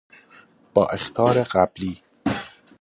با اخطار قبلی